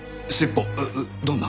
どんな？